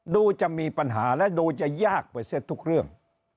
ดูจะมีปัญหาและดูจะยากไปเสร็จทุกเรื่อง